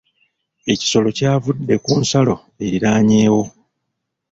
Ekisolo kyavude ku nsalo eriraanyeewo.